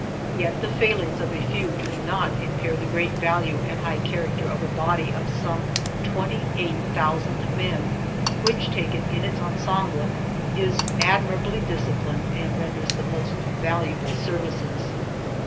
Yet the failings of a few do not impair the great value and high char acter of a body of some twenty eight thou sand men, which, taken in its ensemble, is admirably disciplined and renders the most valuable services.